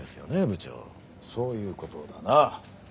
そういうことだな。